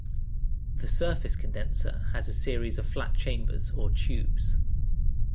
The surface-condenser has a series of flat chambers or tubes.